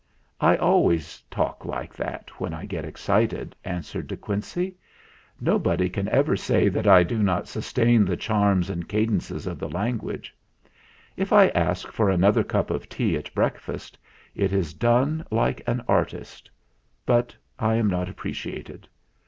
"I always talk like that when I get excited," answered De Quincey. "Nobody can ever say that I do not sustain the charms and cadences of the language. If I ask for another cup of tea at breakfast, it is done like an artist; but I am not appreciated.